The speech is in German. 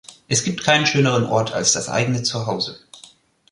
Es gibt keinen schöneren Ort als das eigene Zuhause.